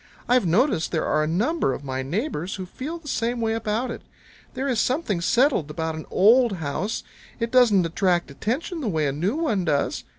I've noticed there are a number of my neighbors who feel the same way about it. There is something settled about an old house. It doesn't attract attention the way a new one does.